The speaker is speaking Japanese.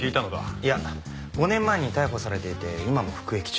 いや５年前に逮捕されていて今も服役中。